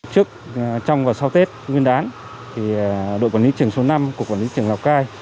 trước trong và sau tết nguyên đán đội quản lý trường số năm của quản lý tỉnh lào cai